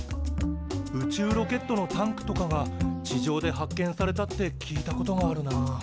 宇宙ロケットのタンクとかが地上で発見されたって聞いたことがあるな。